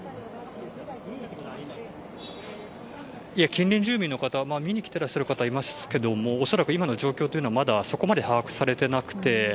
近隣住民の方見に来ている方はいますけども恐らく今の状況というのはまだ、そこまで把握されてなくて。